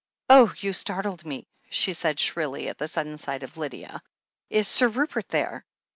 "Oh, you startled me I" she said shrilly, at the sudden sight of Lydia. "Is Sir Rupert there?"